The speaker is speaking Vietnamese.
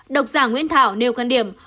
độc giả nguyễn thảo nêu quan điểm